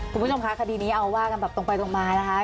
คุณผู้ชมคะคดีนี้เอาว่ากันแบบตรงไปตรงมานะคะ